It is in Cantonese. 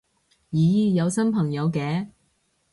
咦有新朋友嘅